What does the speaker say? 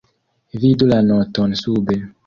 Vidu la noton sube.